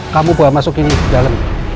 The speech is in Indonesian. kamu buat masuk ini ke dalam